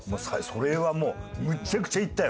それはもうむちゃくちゃ行ったよ。